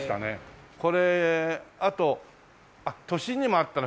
これあと都心にもあったな。